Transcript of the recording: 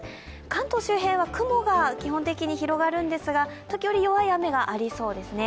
関東周辺は雲が基本的に広がるんですが、時折、弱い雨がありそうですね。